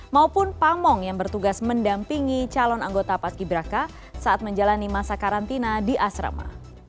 maupun pamong yang bertugas mendampingi calon anggota paski braka saat menjalani masa karantina di asrama